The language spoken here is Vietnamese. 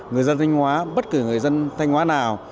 người dân thanh hóa bất cứ người dân thanh hóa nào